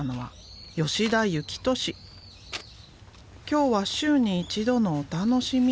今日は週に一度のお楽しみ。